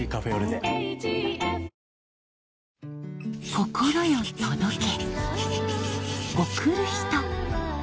心よ届け